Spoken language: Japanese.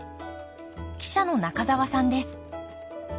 記者の仲澤さんです。